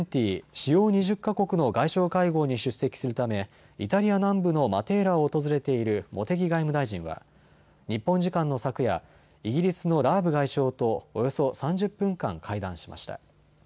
主要２０か国の外相会合に出席するためイタリア南部のマテーラを訪れている茂木外務大臣は日本時間の昨夜、イギリスのラーブ外相とおよそ３０分間、会談しました。